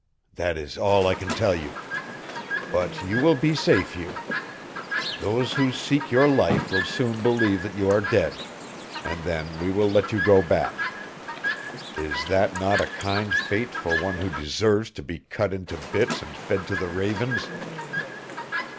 That is all I can tell you. But you will be safe here. Those who seek your life will soon believe that you are dead, and then we will let you go back. Is that not a kind fate for one who deserves to be cut into bits and fed to the ravens?"